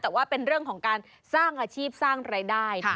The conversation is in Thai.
แต่ว่าเป็นเรื่องของการสร้างอาชีพสร้างรายได้